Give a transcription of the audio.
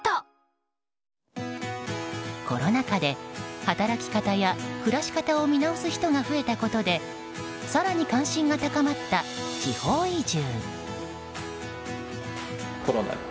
コロナ禍で働き方や暮らし方を見直す人が増えたことで更に関心が高まった地方移住。